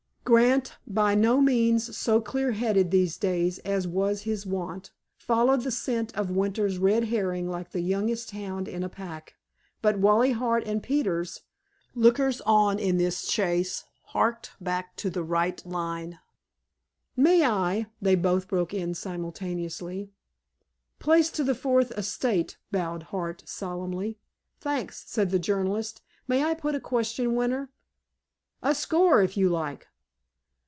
Grant, by no means so clear headed these days as was his wont, followed the scent of Winter's red herring like the youngest hound in a pack; but Wally Hart and Peters, lookers on in this chase, harked back to the right line. "May I—" they both broke in simultaneously. "Place to the fourth estate," bowed Hart solemnly. "Thanks," said the journalist. "May I put a question, Winter?" "A score, if you like."